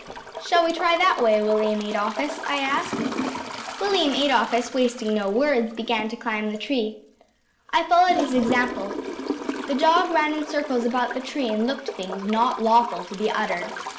“Shall we try that way, William Adolphus?‚ÄĚ I asked. William Adolphus, wasting no words, began to climb the tree. I followed his example. The dog ran in circles about the tree and looked things not lawful to be uttered.